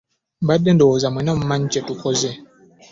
Mbadde ndowooza mwenna mumanyi kye tuzzaako.